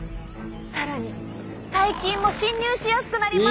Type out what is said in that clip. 更に細菌も侵入しやすくなります。